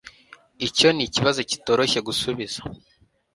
Icyo nikibazo kitoroshye gusubiza.